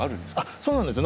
そうなんですよ。